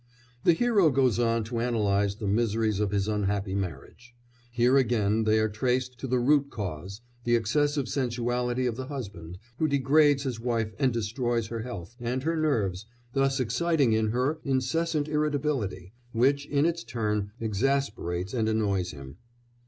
The hero goes on to analyse the miseries of his unhappy marriage; here again they are traced to the root cause the excessive sensuality of the husband, who degrades his wife and destroys her health and her nerves, thus exciting in her incessant irritability, which, in its turn, exasperates and annoys him.